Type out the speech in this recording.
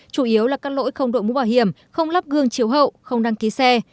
chủ yếu là các lỗi không đội mũ bảo hiểm không lắp gương chiếu hậu không đăng ký xe